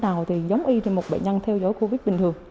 như thế nào giống như một bệnh nhân theo dõi covid bình thường